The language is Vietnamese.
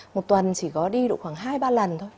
một tuần chỉ có đi độ khoảng hai ba lần thôi